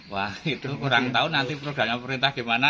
wah itu kurang tahu nanti programnya pemerintah gimana